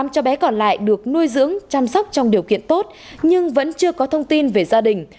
một mươi cho bé còn lại được nuôi dưỡng chăm sóc trong điều kiện tốt nhưng vẫn chưa có thông tin về gia đình